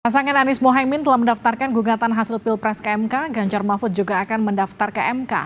pasangan anies mohaimin telah mendaftarkan gugatan hasil pilpres kmk ganjar mahfud juga akan mendaftar ke mk